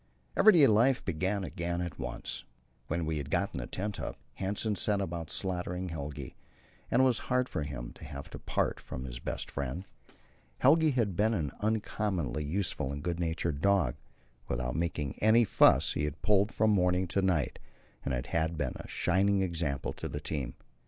Everyday life began again at once. When we had got the tent up, Hanssen set about slaughtering Helge, and it was hard for him to have to part from his best friend. Helge had been an uncommonly useful and good natured dog; without making any fuss he had pulled from morning to night, and had been a shining example to the team.